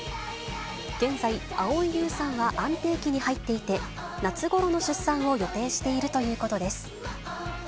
現在、蒼井優さんは安定期に入っていて、夏ごろの出産を予定しているということです。